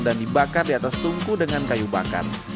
dan dibakar di atas tungku dengan kayu bakar